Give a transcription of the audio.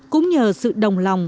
cũng nhờ sự đồng lòng